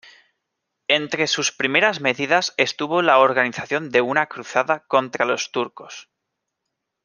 Entre sus primeras medidas estuvo la organización de una cruzada contra los turcos.